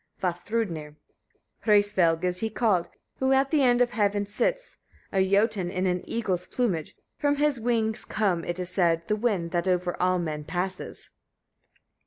Vafthrûdnir. 37. Hraesvelg he is called, who at the end of heaven sits, a Jötun in an eagle's plumage: from his wings comes, it is said, the wind, that over all men passes.